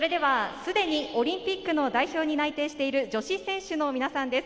すでにオリンピックの代表に内定している女子選手の皆さんです。